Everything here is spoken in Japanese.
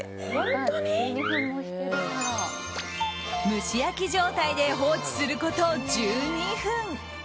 蒸し焼き状態で放置すること１２分。